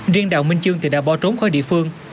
riêng đào minh chương thì đã bỏ trốn khỏi địa phương